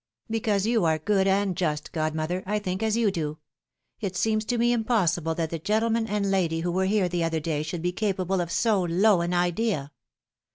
Because you are good and just, godmother, I think as you do. It seems to me impossible that the gentleman and lady who were here the other day should be capable of so low an idea.